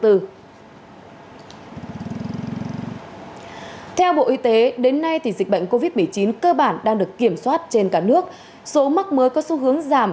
theo bộ y tế đến nay dịch bệnh covid một mươi chín cơ bản đang được kiểm soát trên cả nước số mắc mới có xu hướng giảm